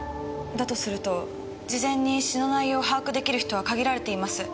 だとすると事前に詩の内容を把握できる人は限られています。